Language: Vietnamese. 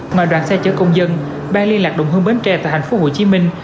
ngoài đoàn xe chở công dân ban liên lạc đồng hương bến tre tại thành phố hồ chí minh